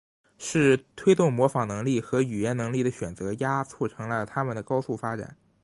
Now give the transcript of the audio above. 是推动模仿能力和语言能力的选择压促成了它的高速发展。